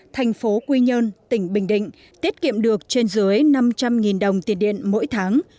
thành phố quy nhơn tỉnh bình định tiết kiệm được trên dưới năm trăm linh đồng tiền điện mỗi tháng